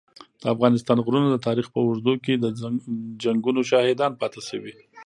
د افغانستان غرونه د تاریخ په اوږدو کي د جنګونو شاهدان پاته سوي.